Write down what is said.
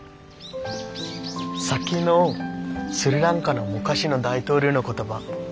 さっきのスリランカの昔の大統領の言葉